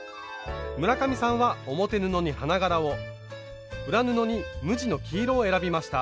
村上さんは表布に花柄を裏布に無地の黄色を選びました。